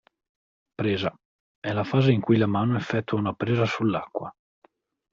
Presa: è la fase in cui la mano effettua una presa sull'acqua.